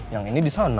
yang ini di sana